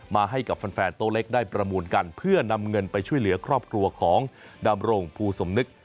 ให้กับแฟนโต๊ะเล็กได้ประมูลกันเพื่อนำเงินไปช่วยเหลือครอบครัวของดำรงภูสมนึก